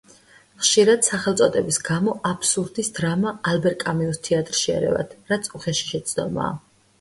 ხშირად სახელწოდების გამო აბსურდის დრამა ალბერ კამიუს თეატრში ერევათ, რაც უხეში შეცდომაა.